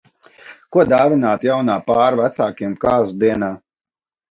Ko dāvināt jaunā pāra vecākiem kāzu dienā?